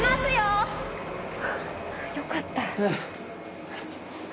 よかった。